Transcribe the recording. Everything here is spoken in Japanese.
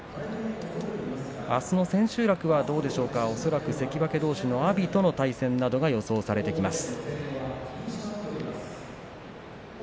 あすの千秋楽はどうでしょうか恐らく関脇どうし阿炎との対戦などが予想されてきます。